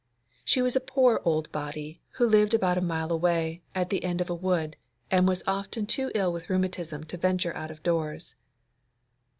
She was a poor old body, who lived about a mile away, at the end of a wood, and was often too ill with rheumatism to venture out of doors.